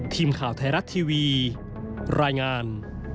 ทีมข่าวไทยรัฐทีวีรายงาน